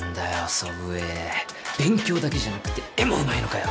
祖父江勉強だけじゃなくて絵もうまいのかよ